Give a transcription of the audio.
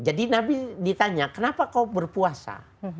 jadi nabi ditanya kenapa kau berpuasa